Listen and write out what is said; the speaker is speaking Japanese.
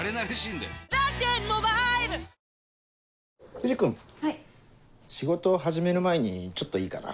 藤君仕事始める前にちょっといいかな。